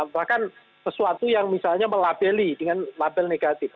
bahkan sesuatu yang misalnya melabeli dengan label negatif